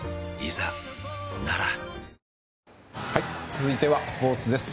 続いてはスポーツです。